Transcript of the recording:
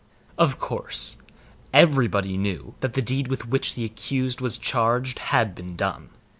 Of course, everybody knew that the deed with which the accused was charged had been done.